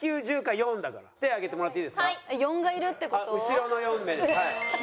後ろの４名です。